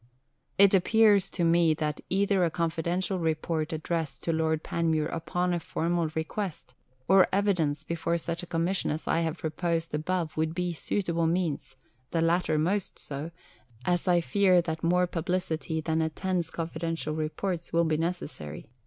It appears to me that either a confidential report addressed to Lord Panmure upon a formal request, or evidence before such a Commission as I have proposed above would be suitable means the latter the most so, as I fear that more publicity than attends confidential reports will be necessary.